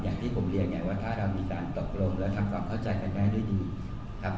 อย่างที่ผมเรียนไงว่าถ้าเรามีการตกลงและทำความเข้าใจกันได้ด้วยดีครับ